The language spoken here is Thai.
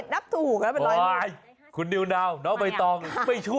นับผิดนับถูก